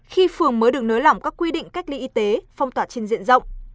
khi phường mới được nới lỏng các quy định cách ly y tế phong tỏa trên diện rộng